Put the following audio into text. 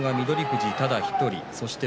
富士ただ１人。